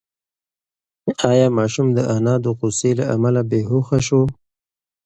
ایا ماشوم د انا د غوسې له امله بېهوښه شو؟